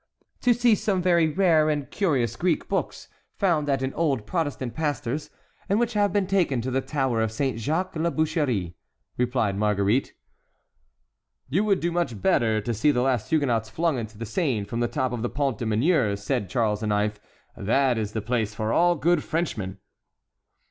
"To see some very rare and curious Greek books found at an old Protestant pastor's, and which have been taken to the Tower of Saint Jacques la Boucherie," replied Marguerite. "You would do much better to see the last Huguenots flung into the Seine from the top of the Pont des Meuniers," said Charles IX.; "that is the place for all good Frenchmen."